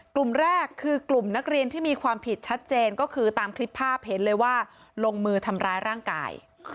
กลุ่มแรกคือกลุ่มนักเรียนที่มีความผิดชัดเจนก็คือตามคลิปภาพเห็นเลยว่าลงมือทำร้ายร่างกาย